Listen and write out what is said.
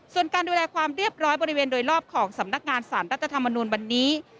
ส่วนการดูแลความเรียบร้อยบริเวณโดยรอบของสำนักงานสารรัฐธรรมนูลวันนี้